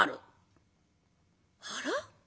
「あら？